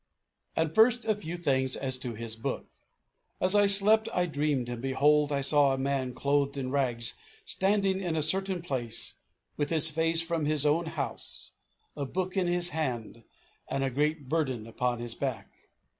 1. And first, a few things as to his book. "As I slept I dreamed, and behold I saw a man clothed in rags standing in a certain place, with his face from his own house, a book in his hand, and a great burden upon his back.